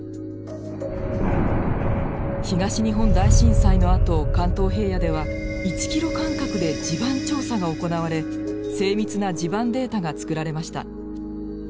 東日本大震災のあと関東平野では１ｋｍ間隔で地盤調査が行われ精密な地盤データが作られました。